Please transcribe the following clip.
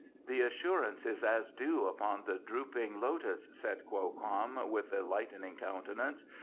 "The assurance is as dew upon the drooping lotus," said Kwo Kam, with a lightening countenance.